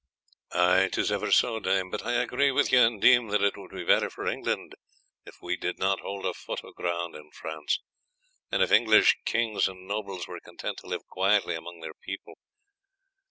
"'Tis ever so, dame; but I agree with you, and deem that it would be better for England if we did not hold a foot of ground in France, and if English kings and nobles were content to live quietly among their people.